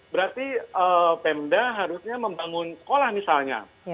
berarti pemda harusnya membangun sekolah misalnya